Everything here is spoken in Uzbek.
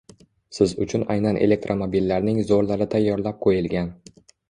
Siz uchun aynan elektromobillarning zo‘rlari tayyorlab qo‘yilgan